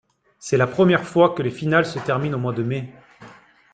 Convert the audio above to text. C'est la première fois que les finales se terminent au mois de mai.